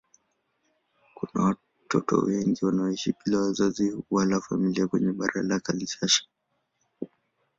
Kuna watoto wengi wanaoishi bila wazazi wala familia kwenye barabara za Kinshasa.